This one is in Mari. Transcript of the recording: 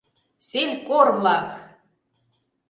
Селькор-влак!